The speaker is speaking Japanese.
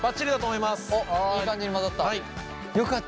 いい感じに混ざった。